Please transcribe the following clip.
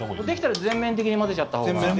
できたら全面的に混ぜちゃった方が。